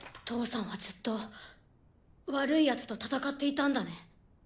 父さんはずっと悪いやつと戦っていたんだね。